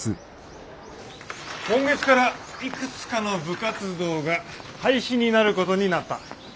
今月からいくつかの部活動が廃止になる事になった。